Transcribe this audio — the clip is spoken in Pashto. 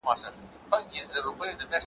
یوه مینه مي په زړه کي یو تندی یوه سجده ده ,